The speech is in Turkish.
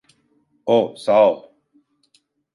Oh, sağol.